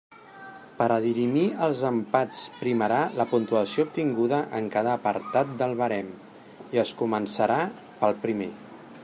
Per a dirimir els empats primarà la puntuació obtinguda en cada apartat del barem, i es començarà pel primer.